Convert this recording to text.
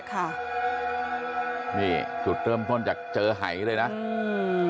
ค่ะนี่จุดเริ่มต้นจากเจอหายเลยนะอืม